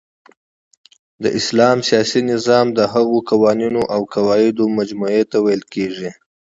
د اسلام سیاسی نظام د هغو قوانینو اوقواعدو مجموعی ته ویل کیږی